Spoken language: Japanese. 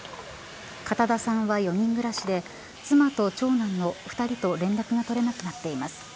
片田さんは４人暮らしで妻と長男の２人と連絡が取れなくなっています。